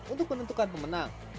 untuk menentukan pemenang